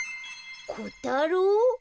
「こたろう」？